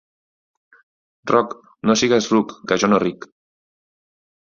Roc, no sigues ruc, que jo no ric.